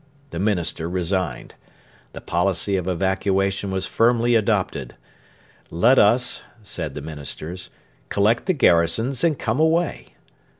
The Minister resigned. The policy of evacuation was firmly adopted. 'Let us,' said the Ministers, 'collect the garrisons and come away.'